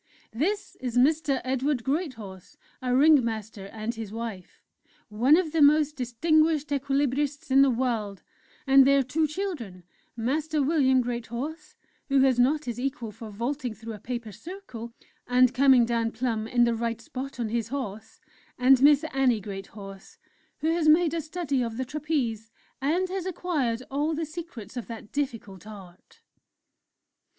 "This is Mr. Edward Greathorse, our Ringmaster, and his wife, one of the most distinguished Equilibrists in the world, and their two children, Master William Greathorse, who has not his equal for vaulting through a paper circle, and coming down plumb in the right spot on his horse and Miss Annie Greathorse, who has made a study of the Trapeze, and has acquired all the secrets of that difficult art."